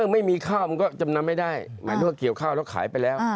ไม่มีข้าวมันก็จำนำไม่ได้หมายถึงว่าเกี่ยวข้าวแล้วขายไปแล้ว